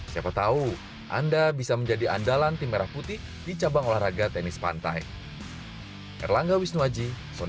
siapa tahu anda bisa menjadi andalan tim merah putih di cabang olahraga tenis pantai